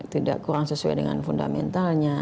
tidak kurang sesuai dengan fundamentalnya